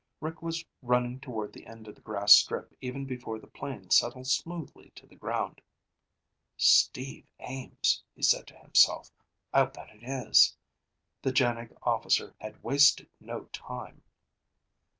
Rick was running toward the end of the grass strip even before the plane settled smoothly to the ground. "Steve Ames," he said to himself. "I'll bet it is." The JANIG officer had wasted no time!